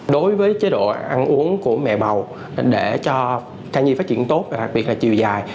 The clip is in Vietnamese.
đối với chế độ ăn uống của mẹ bầu để cho thai nhi phát triển tốt và đặc biệt là chiều dài